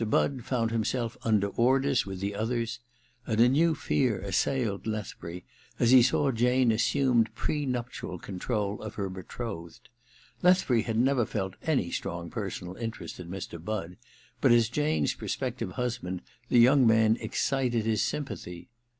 Budd found himself under orders with the others ; and a new fear assailed Lethbury as he saw Jane assume pre nuptial control of her betrothed. Lethbury had never felt any strong personal interest in Mr. Budd ; but as* Jane's prospective husband the yoimg man excited his sympathy.